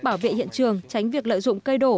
bảo vệ hiện trường tránh việc lợi dụng cây đổ